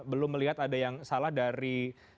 belum melihat ada yang salah dari